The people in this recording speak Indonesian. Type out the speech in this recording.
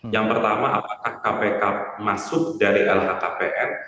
yang pertama apakah kpk masuk dari lhkpn